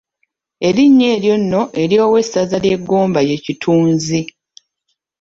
Erinnya ery’ennono ery’owessaza ly’e Ggomba ye Kitunzi.